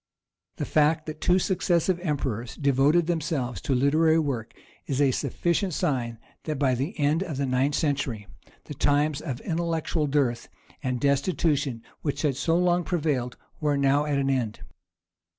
The fact that two successive emperors devoted themselves to literary work is a sufficient sign that by the end of the ninth century the times of intellectual dearth and destitution which had so long prevailed were now at an end.